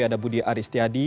ada budi aristiadi